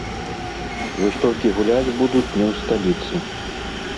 Вось толькі гуляць будуць не ў сталіцы.